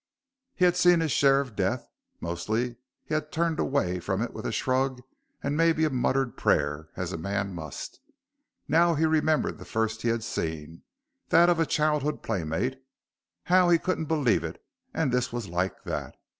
He had seen his share of death; mostly, he had turned away from it with a shrug and maybe a muttered prayer, as a man must. Now he remembered the first he had seen, that of a childhood playmate, how he couldn't believe it, and this was like that.